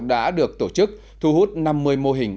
đã được tổ chức thu hút năm mươi mô hình